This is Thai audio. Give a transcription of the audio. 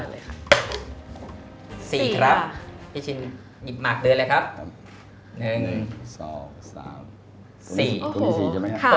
พี่ชินหยิบหมากเดินเลยครับ